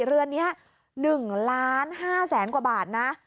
เรือนนี้๑ล้าน๕แสนกว่าบาทนะ